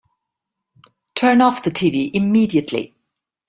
Turn off the tv immediately!